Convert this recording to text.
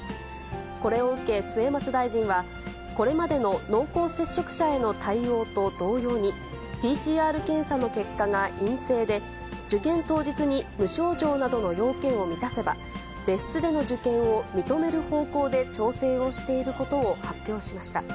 これを受け、末松大臣は、これまでの濃厚接触者への対応と同様に、ＰＣＲ検査の結果が陰性で、受験当日に無症状などの要件を満たせば、別室での受験を認める方向で調整をしていることを発表しました。